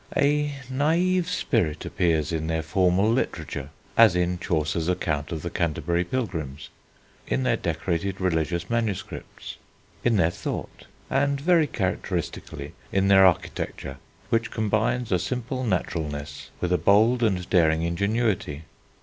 A naïve spirit appears in their formal literature, as in Chaucer's account of the Canterbury pilgrims, in their decorated religious manuscripts, in their thought, and very characteristically, in their architecture, which combines a simple naturalness with a bold and daring ingenuity.